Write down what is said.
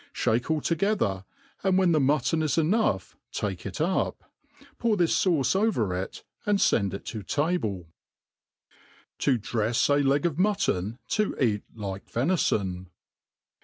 fluke all together, and when the mutton is enough take it up % pour this fauce over it^ and fend it to t^ble, \.''' T9 To drefs a Lig of Mutton to mi like VenifcH.